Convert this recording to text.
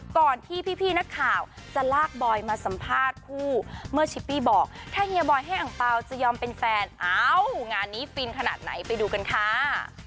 ก่อนที่พี่นักข่าวจะลากบอยมาสัมภาษณ์คู่เมื่อชิปปี้บอกถ้าเฮียบอยให้อังเปล่าจะยอมเป็นแฟนเอ้างานนี้ฟินขนาดไหนไปดูกันค่ะ